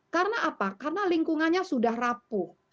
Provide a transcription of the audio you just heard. karena apa karena lingkungannya sudah rapuh